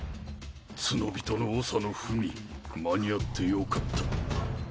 ツノビトの長の文間に合ってよかった。